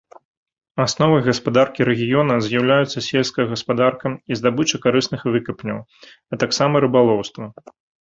Асновай гаспадаркі рэгіёна з'яўляюцца сельская гаспадарка і здабыча карысных выкапняў, а таксама рыбалоўства.